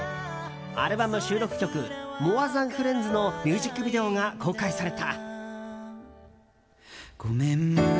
アルバム収録曲「Ｍｏｒｅｔｈａｎｆｒｉｅｎｄｓ」のミュージックビデオが公開された。